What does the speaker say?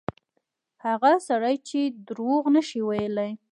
هغه سړی چې دروغ نه شي ویلای.